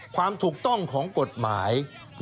ความถูกต้องของกฎหมาย